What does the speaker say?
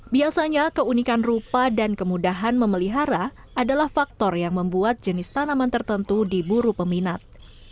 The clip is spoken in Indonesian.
biasanya keunikan rupa dan kemudahan memelihara adalah faktor yang membuat jenis tanaman tertentu diburu peminat